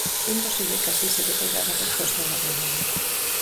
É imposible que así se lle poida dar resposta a unha pandemia.